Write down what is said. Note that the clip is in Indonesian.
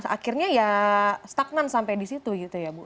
akhirnya ya stagnan sampai di situ gitu ya bu